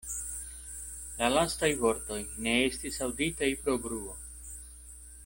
La lastaj vortoj ne estis aŭditaj pro bruo.